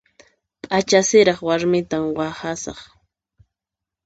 P'acha siraq warmitan waqhasaq.